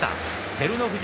照ノ富士